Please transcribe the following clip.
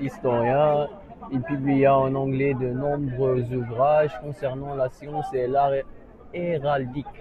Historien, il publia en anglais de nombreux ouvrages concernant la science et l'art héraldique.